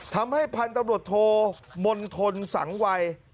ทำให้พันธุ์ตำรวจโทรมนทนสังวัย